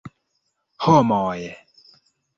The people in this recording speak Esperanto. Homoj!